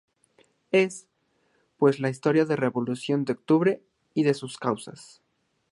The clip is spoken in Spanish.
Es, pues la historia de la Revolución de Octubre y de sus causas.